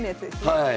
はい。